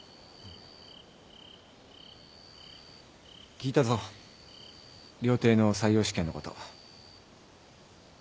聞いたぞ料亭の採用試験のこと。